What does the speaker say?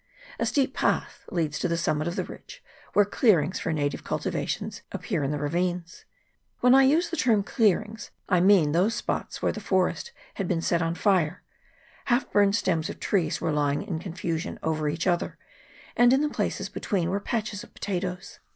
A steep path leads to the summit of the ridge, where clearings for native cultivations appear in the ravines. When I use the term " clearings, " I mean those spots where the forest had been set on fire : half burned stems of trees were lying in con fusion over each other, and in the places between were patches of potatoes.